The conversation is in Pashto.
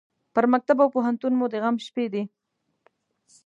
پر مکتب او پوهنتون مو د غم شپې دي